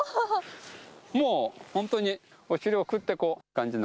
もう本当に、お尻をぐって、こういう感じの。